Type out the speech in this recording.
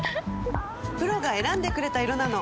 プロが選んでくれた色なの！